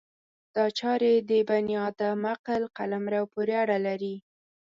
دا چارې د بني ادم عقل قلمرو پورې اړه لري.